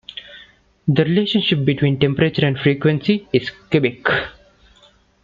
The relationship between temperature and frequency is cubic.